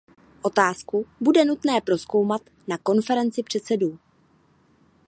Otázku bude nutné prozkoumat na Konferenci předsedů.